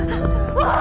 ああ！